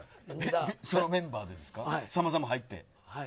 そのメンバーでさんまさんも入って。